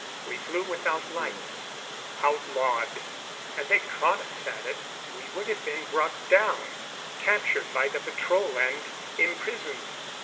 We flew without lights. Outlawed. Had they caught us at it, we would have been brought down, captured by the patrol and imprisoned.